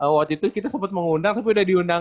waktu itu kita sempat mengundang tapi udah diundang